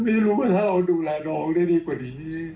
ไม่รู้ว่าถ้าเราดูแลน้องได้ดีกว่านี้